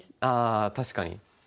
ああ確かに。